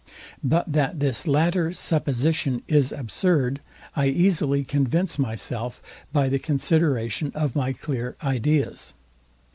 But that this latter supposition is absurd, I easily convince myself by the consideration of my clear ideas.